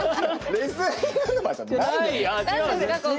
「レスリング沼」じゃないですよ。